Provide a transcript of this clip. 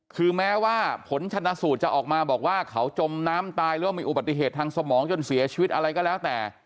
คือแม้ว่าผลชนะสูตรจะออกมาบอกว่าเขาจมน้ำตายหรือว่ามีอุบัติเหตุทางสมองจนเสียชีวิตอะไรก็แล้วแต่